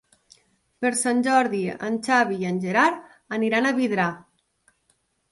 Per Sant Jordi en Xavi i en Gerard aniran a Vidrà.